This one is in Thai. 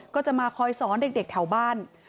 ก็จะมาคอยสอนเด็กแถวบ้าน